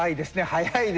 早いですね。